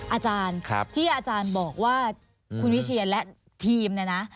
อาจารย์ที่อาจารย์บอกว่าคุณวิเชียนและทีมเนี่ยนะ